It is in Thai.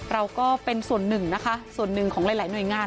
เราก็เป็นส่วนหนึ่งนะคะส่วนหนึ่งของหลายหน่วยงาน